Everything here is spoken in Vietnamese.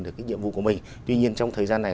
được cái nhiệm vụ của mình tuy nhiên trong thời gian này